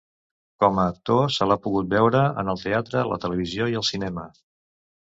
Com a actor se l'ha pogut veure en el teatre, la televisió i el cinema.